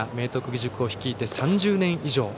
義塾を率いて３０年以上。